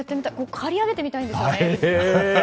刈り上げてみたいんですよね。